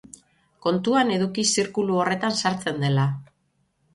Kontuan eduki zirkulu horretan sartzen dela.